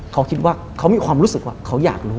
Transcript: เขาคิดว่าเขามีความรู้สึกว่าเขาอยากรู้